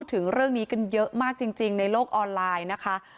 ถึงเรื่องนี้กันเยอะมากจริงในโลกออนไลน์นะคะ